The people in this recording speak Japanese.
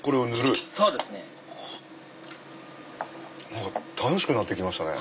何か楽しくなって来ましたね！